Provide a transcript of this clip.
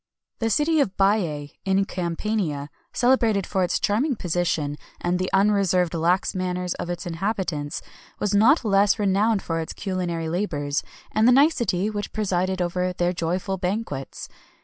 [XXI 216] The city of Baiæ, in Campania, celebrated for its charming position, and the unreserved lax manners of its inhabitants, was not less renowned for its culinary labours, and the nicety which presided over their joyful banquets.